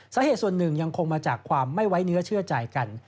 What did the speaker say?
สาเหตุส่วนหนึ่งยังคงมาจากความไม่ไว้เนื้อเชื่อใจกัน